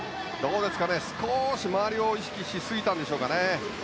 少し周りを意識しすぎたんでしょうか。